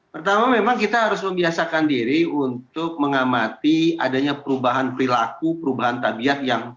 pertama memang kita harus membiasakan diri untuk mengamati adanya perubahan perilaku perubahan tabiat yang